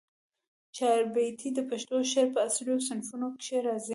چاربیتې د پښتو د شعر په اصیلو صنفونوکښي راځي